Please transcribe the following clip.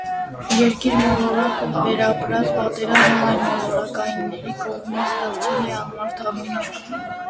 Երկիր մոլորակը՝ վերապրած պատերազմ այլմոլորակայինների կողմից՝ դարձել է անմարդաբնակ։